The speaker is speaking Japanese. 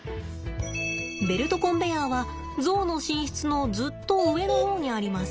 ベルトコンベヤーはゾウの寝室のずっと上の方にあります。